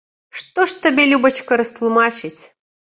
Што ж табе, любачка, растлумачыць?